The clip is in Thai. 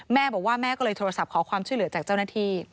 แม่บอกว่าแม่ก็เลยโทรศัพท์ขอความช่วยเหลือจากเจ้าหน้าที่